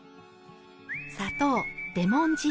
砂糖レモン汁